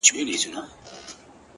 غلطۍ کي مي د خپل حسن بازار مات کړی دی ـ